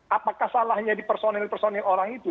apakah salahnya di personil personil orang itu